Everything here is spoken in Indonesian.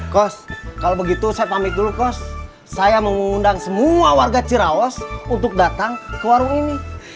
cos kalau begitu saya panik dulu kos saya mengundang semua warga cirawas untuk datang ke warung ini